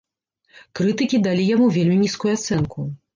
Крытыкі далі яму вельмі нізкую ацэнку.